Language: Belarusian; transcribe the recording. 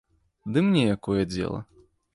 Ды мне якое дзела?